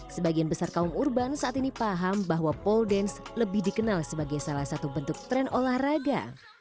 sebagian besar kaum urban saat ini paham bahwa pole dance lebih dikenal sebagai salah satu bentuk tren olahraga